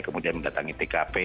kemudian datang tkp